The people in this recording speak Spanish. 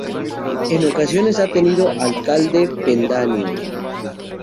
En ocasiones ha tenido Alcalde pedáneo.